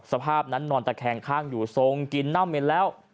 สภาพนั้นนอนแต่แข็งข้างอยู่ทรงกินน่ำอีกแล้ว